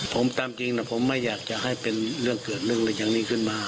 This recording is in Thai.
ผมตามจริงนะผมไม่อยากจะให้เป็นเรื่องเกิดเรื่องอะไรอย่างนี้ขึ้นมา